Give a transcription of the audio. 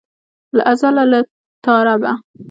له ازله له تا ربه.